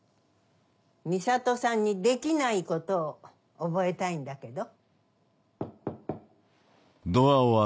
美里さんにできないことを覚えたいんだけど。